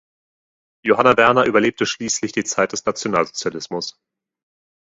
Johanna Werner überlebte schließlich die Zeit des Nationalsozialismus.